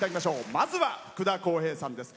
まずは、福田こうへいさんです。